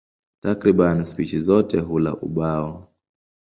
Takriban spishi zote hula ubao.